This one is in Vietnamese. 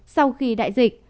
sau khi đại dịch